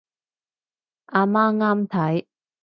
阿媽啱睇